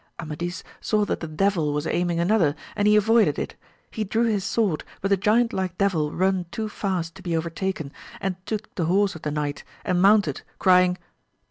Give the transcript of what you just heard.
Amadis saw that the devil was aiming another and he avoided it ; he drew his sword but the giant like deAdl run too fast to be overtaken, and took the horse of the knight and mounted, crying.